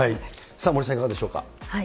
森さん、いかがでしょうか。